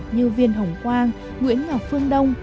như viên hồng quang nguyễn ngọc phương đông